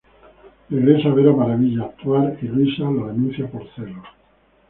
Regresa a ver a Maravilla actuar y Luisa lo denuncia por celos.